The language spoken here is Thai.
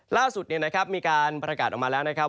ล่าสุดมีการประกาศออกมาแล้วนะครับ